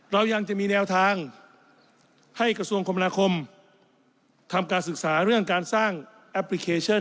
เรายังจะมีแนวทางให้กระทรวงคมนาคมทำการศึกษาเรื่องการสร้างแอปพลิเคชัน